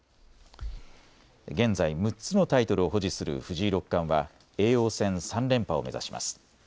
現在６つのタイトルを保持する藤井六冠は叡王戦３連覇を目指します。